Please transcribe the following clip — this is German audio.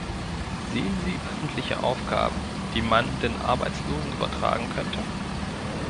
Sehen Sie öffentliche Aufgaben, die man den Arbeitslosen übertragen könnte?